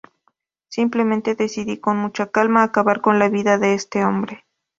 Simplemente decidí, con mucha calma, acabar con la vida de este hombre.